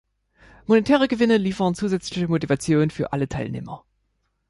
Monetäre Gewinne liefern zusätzliche Motivation für alle Teilnehmer.